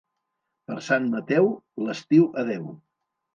Per Sant Mateu, l'estiu adeu.